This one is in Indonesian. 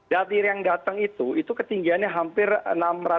dari air yang datang itu itu ketinggiannya hampir tidak